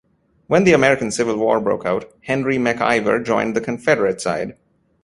When the American Civil War broke out, Henry McIver joined the Confederate side.